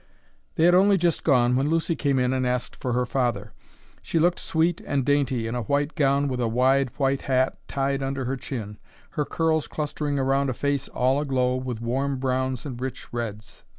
They had only just gone when Lucy came in and asked for her father. She looked sweet and dainty in a white gown with a wide white hat tied under her chin, her curls clustering around a face all aglow with warm browns and rich reds.